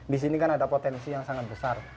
di sini kan ada potensi yang sangat besar